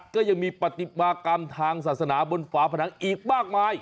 ก็ยังมีปฏิมากรรมทางศาสนาบนฝาผนังอีกมากมาย